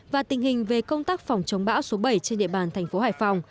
và tình hình về công tác phòng chống bão số bảy trên địa bàn thành phố hải phòng